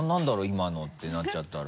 今の」ってなっちゃったら。